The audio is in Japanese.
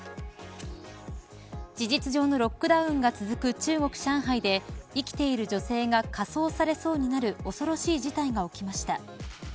事実上のロックダウンが続く中国、上海で生きている女性が火葬されそうになる恐ろしい事態が起きました。